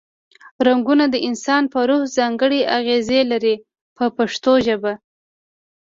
رنګونه د انسان په روح ځانګړې اغیزې لري په پښتو ژبه.